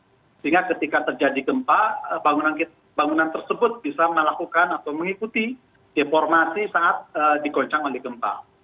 sehingga ketika terjadi gempa bangunan tersebut bisa melakukan atau mengikuti deformasi saat digoncang oleh gempa